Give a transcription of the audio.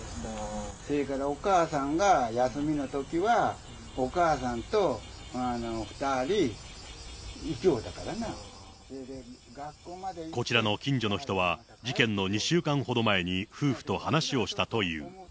それからお母さんが休みのときは、こちらの近所の人は、事件の２週間ほど前に夫婦と話をしたという。